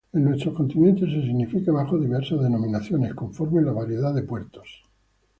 En nuestro continente se significa bajo diversas denominaciones, conforme la variedad de puertos.